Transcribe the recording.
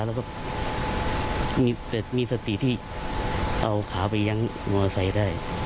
แล้วก็มีสติที่เอาขาไปยั้งมอเซ้ได้